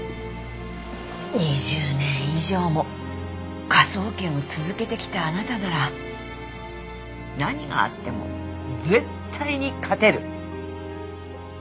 ２０年以上も科捜研を続けてきたあなたなら何があっても絶対に勝てる。